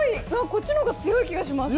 こっちの方が強い気がします。